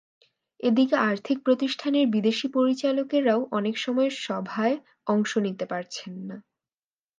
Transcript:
এদিকে আর্থিক প্রতিষ্ঠানের বিদেশি পরিচালকেরাও অনেক সময় সভায় অংশ নিতে পারছেন না।